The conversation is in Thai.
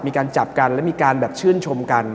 มีการจับกันและมีการแบบชื่นชมกัน